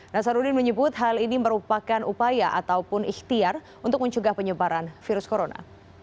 nasaruddin menyebut hal ini merupakan upaya ataupun ikhtiar untuk mencegah penyebaran virus corona